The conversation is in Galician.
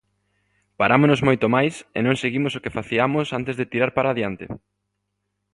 Parámonos moito máis e non seguimos o que faciamos antes de tirar para adiante.